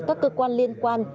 các cơ quan liên quan